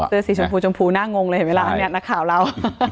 เสื้อสีชมพูชมพูหน้างงเลยเห็นไหมล่ะเนี่ยนักข่าวเรา